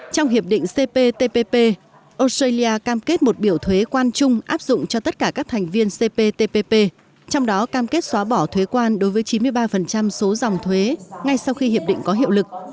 trong hiệp định cptpp australia cam kết một biểu thuế quan chung áp dụng cho tất cả các thành viên cptpp trong đó cam kết xóa bỏ thuế quan đối với chín mươi ba số dòng thuế ngay sau khi hiệp định có hiệu lực